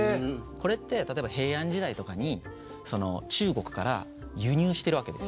これって例えば平安時代とかに中国から輸入してるわけですよね。